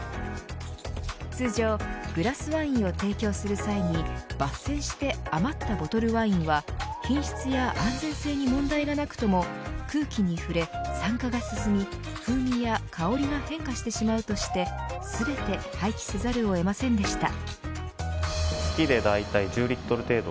通常、グラスワインを提供する際に抜栓して、余ったボトルワインは品質や安全性に問題がなくとも空気に触れ、酸化が進み風味や香りが変化してしまうとして全て廃棄せざるをえませんでした。